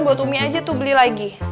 buat umi aja tuh beli lagi